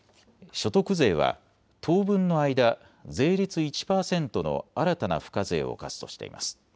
所得税は当分の間、税率１％の新たな付加税を課すとしています。